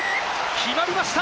決まりました！